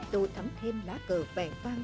tù thắm thêm lá cờ vẻ vang